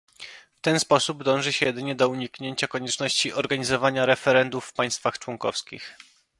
W ten sposób dąży się jedynie do uniknięcia konieczności organizowania referendów w państwach członkowskich